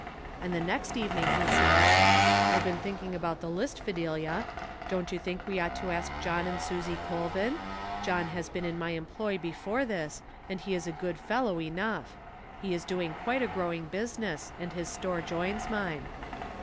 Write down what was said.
And the next evening he says, " I've been thinking about the list, Fidelia. Don't you think we ought to ask John and Susy Colvin ? John has been in my emyloy before this, and he is a good fellow enough. He is doing quite a growing business, and his store joins mine."